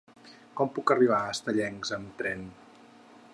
Com puc arribar a Estellencs amb tren?